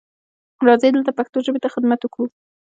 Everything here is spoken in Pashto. راځئ دلته پښتو ژبې ته خدمت وکړو.